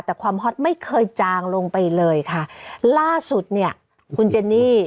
แต่ความฮอตไม่เคยจางลงไปเลยค่ะล่าสุดเนี่ยคุณเจนี่